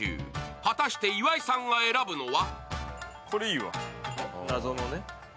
果たして岩井さんが選ぶのは？